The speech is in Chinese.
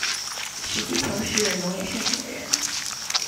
实际从事农业生产的人